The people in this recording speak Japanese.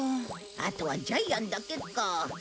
あとはジャイアンだけか。